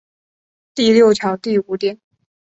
第六条第五点